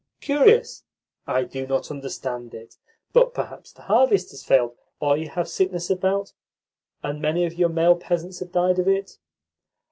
"Curious! I do not understand it. But perhaps the harvest has failed, or you have sickness about, and many of your male peasants have died of it?"